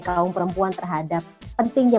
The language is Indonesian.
kaum perempuan terhadap pentingnya